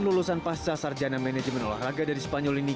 lulusan pasca sarjana manajemen olahraga dari spanyol ini